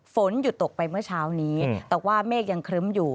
ฝนหยุดตกไปเมื่อเช้านี้แต่ว่าเมฆยังครึ้มอยู่